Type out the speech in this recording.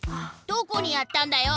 どこにやったんだよ！